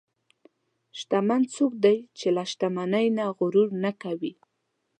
شتمن څوک دی چې له شتمنۍ نه غرور نه کوي.